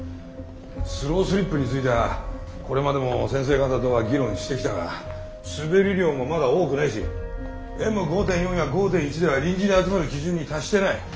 スロースリップについてはこれまでも先生方とは議論してきたが滑り量もまだ多くないしＭ５．４や５．１では臨時で集まる基準に達してない。